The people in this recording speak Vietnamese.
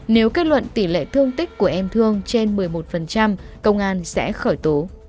nếu kết luận tỷ lệ thương tích của em thương trên một mươi một công an sẽ khởi tố